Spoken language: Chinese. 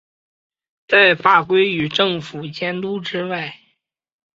在法规与政府监管之外。